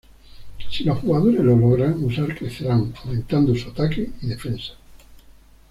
Si los jugadores lo logran usar crecerán, aumentando su ataque y defensa.